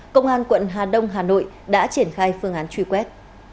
công an quận hà đông hà nội đã triển khai phương án truy quét